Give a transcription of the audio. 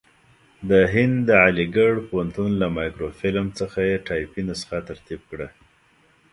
د هند د علیګړ پوهنتون له مایکروفیلم څخه یې ټایپي نسخه ترتیب کړه.